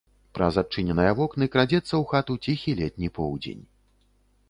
Праз адчыненыя вокны крадзецца ў хату ціхі летні поўдзень.